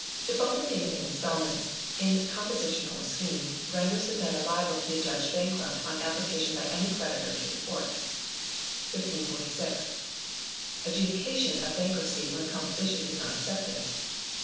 Default in payment of instalments, in composition or scheme, renders the debtor liable to be adjudged bankrupt on application by any creditor to the Court. 1546. Adjudication of Bankruptcy when a Composition is not Accepted.